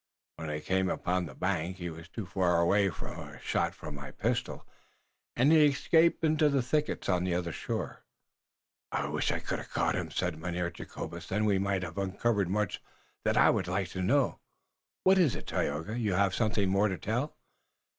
When I came upon the bank, he was too far away for a shot from my pistol, and he escaped into the thickets on the other shore." "I wish we could have caught him," said Mynheer Jacobus. "Then we might have uncovered much that I would like to know. What iss it, Tayoga? You haf something more to tell!"